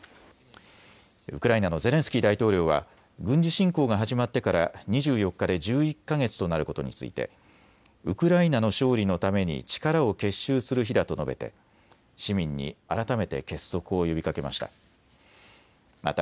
ウクライナのゼレンスキー大統領は軍事侵攻が始まってから２４日で１１か月となることについてウクライナの勝利のために力を結集する日だと述べて市民に改めて結束を呼びかけました。